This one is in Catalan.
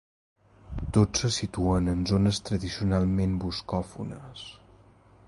Tots se situen en zones tradicionalment bascòfones.